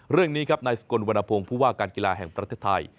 เรื่องนี้ครับนายสกลวรรณพงศ์ผู้ว่าการกีฬาแห่งประเทศไทย